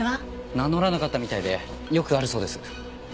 名乗らなかったみたいでよくあるそうです。